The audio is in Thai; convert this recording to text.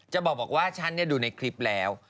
จะบอกว่าฉันดูในคลิปแล้ว